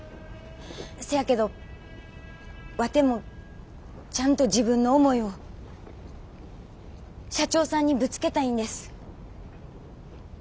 せやけどワテもちゃんと自分の思いを社長さんにぶつけたいんです。